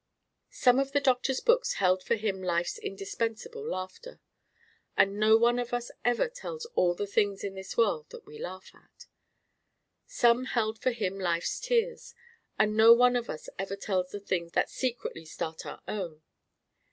Some of the doctor's books held for him life's indispensable laughter; and no one of us ever tells all the things in this world that we laugh at. Some held for him life's tears; and no one of us ever tells the things that secretly start our own.